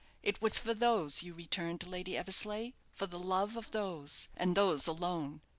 It was for those you returned, Lady Eversleigh, for the love of those and those alone.